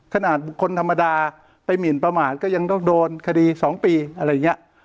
ขนาดบุคคลธรรมดาไปหมินประมาทก็ยังต้องโดนคดี๒ปีอะไรอย่างนี้